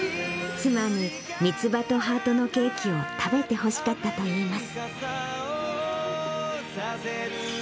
妻に、みつ葉とはーとのケーキを食べてほしかったといいます。